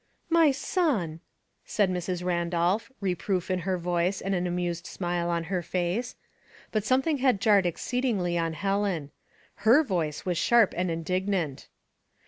'* My son !" said Mrs. Randolph, reproof in her voice and an amused smile on her face ; but some thing had jarred exceedingly on Helen. He7 voice was sharp and indignant.